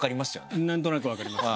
なんとなく分かります。